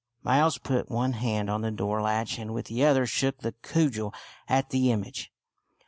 " Miles put one hand on the door latch and with the other shook the cudgel at the image.